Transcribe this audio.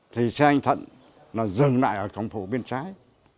thì xe anh thận dừng lại ở cổng phủ bên trái